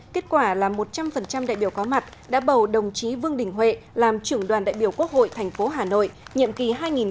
kết quả là một trăm linh đại biểu có mặt đã bầu đồng chí vương đình huệ làm trưởng đoàn đại biểu quốc hội thành phố hà nội nhiệm kỳ hai nghìn một mươi sáu hai nghìn hai mươi một